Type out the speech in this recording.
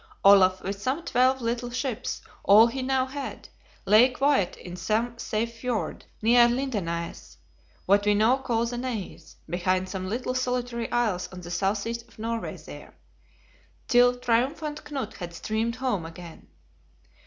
Olaf, with some twelve little ships, all he now had, lay quiet in some safe fjord, near Lindenaes, what we now call the Naze, behind some little solitary isles on the southeast of Norway there; till triumphant Knut had streamed home again.